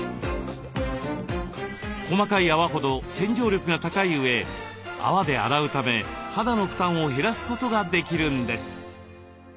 細かい泡ほど洗浄力が高いうえ泡で洗うため肌の負担を減らすことができるんです。